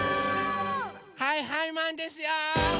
はいはいマンですよ！